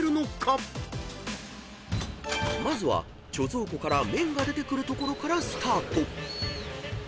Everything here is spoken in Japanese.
［まずは貯蔵庫から麺が出てくるところからスタート］